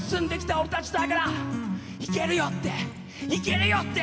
俺たちだからいけるよっていけるよって。